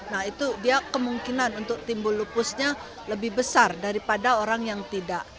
nah itu dia kemungkinan untuk timbul lupusnya lebih besar daripada orang yang tidak